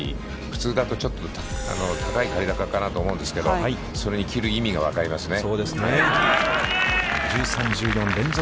普通だと、ちょっと高いかなと思うんですけれども、それに切る意味が分かりますね。